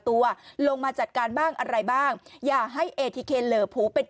ตัวลงมาจัดการบ้างอะไรบ้างอย่าให้เอทีเคนเหลอผลูเป็น